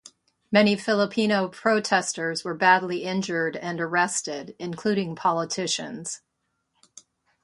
Many Filipino protesters were badly injured and arrested, including politicians.